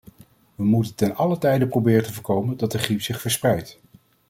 We moeten te allen tijde proberen te voorkomen dat de griep zich verspreidt.